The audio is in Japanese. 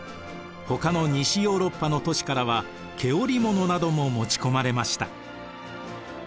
ほかの西ヨーロッパの都市からは毛織物なども持ち込まれました。